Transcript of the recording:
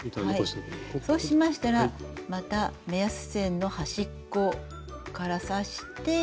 そうしましたらまた目安線の端っこから刺して。